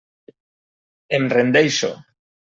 Em rendeixo.